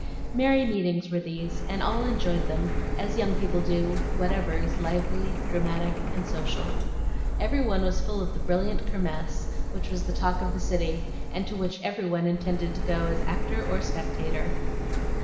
Merry meetings were these; and all enjoyed them, as young people do whatever is lively, dramatic, and social. Every one was full of the brilliant Kirmess, which was the talk of the city, and to which every one intended to go as actor or spectator.